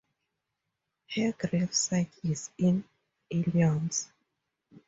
Her gravesite is in Illinois.